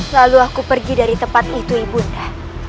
lalu aku pergi dari tempat itu ibu nda